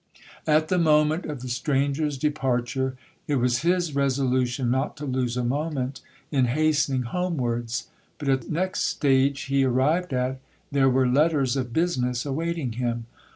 'At the moment of the stranger's departure, it was his resolution not to lose a moment in hastening homewards; but at the next stage he arrived at, there were letters of business awaiting him.